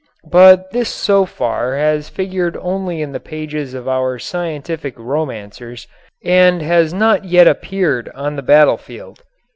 But this so far has figured only in the pages of our scientific romancers and has not yet appeared on the battlefield.